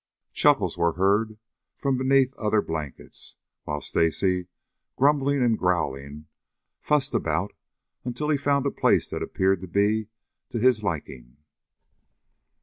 Chuckles were heard from beneath other blankets, while Stacy, grumbling and growling, fussed about until he found a place that appeared to be to his liking.